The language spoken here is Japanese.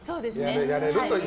やれるという。